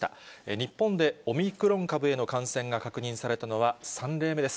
日本でオミクロン株への感染が確認されたのは３例目です。